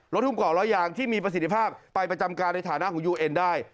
ทุ่มกว่าร้อยยางที่มีประสิทธิภาพไปประจำการในฐานะของยูเอ็นได้